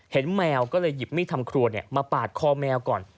แมวก็เลยหยิบมีดทำครัวมาปาดคอแมวก่อน